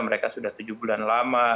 mereka sudah tujuh bulan lama